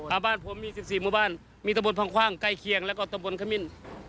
อาบ้านผมมี๑๔หมู่บ้านมีตำบลพังคว่างไกลเคียงแล้วก็ตำบลคมิน